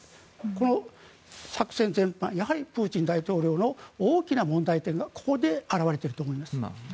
この作戦全般やはりプーチン大統領の大きな問題点がここで現れていると思います。